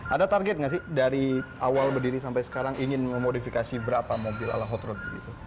ada target nggak sih dari awal berdiri sampai sekarang ingin memodifikasi berapa mobil ala hot road